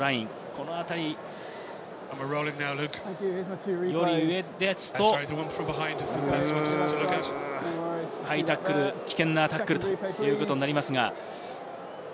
この辺りより上ですと、ハイタックル、危険なタックルということになります。